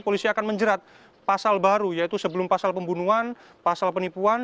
polisi akan menjerat pasal baru yaitu sebelum pasal pembunuhan pasal penipuan